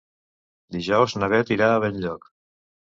Dijous na Beth irà a Benlloc.